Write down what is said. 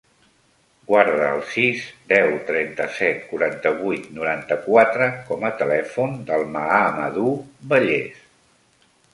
Guarda el sis, deu, trenta-set, quaranta-vuit, noranta-quatre com a telèfon del Mahamadou Belles.